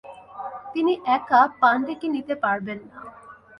তিনি একা পাণ্ডেকে নিতে পারবেন না।